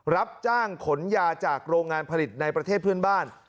รับจ้างขนยาจากโรงงานผลิตในประเทศเพื่อนบ้าน